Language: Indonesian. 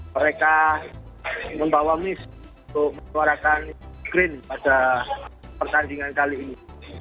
mereka membawa miss untuk menyuarakan green pada pertandingan kali ini